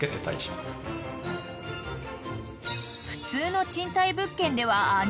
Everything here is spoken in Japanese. ［普通の賃貸物件ではあり得ない］